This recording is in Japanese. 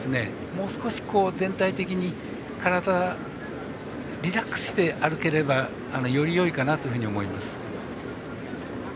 もう少し全体的に体リラックスして歩ければ、よりよいかなというふうに思います。